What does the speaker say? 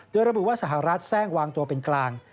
โดยระบุว่าสหรัฐแทร่งวางตัวเป็นกลาง